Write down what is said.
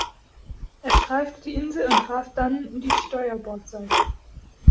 Er streifte die Insel und traf dann die Steuerbordseite.